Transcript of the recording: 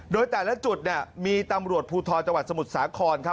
โดยแต่ละจุดมีตำรวจภูทรจังหวัดสมุทรสาครครับ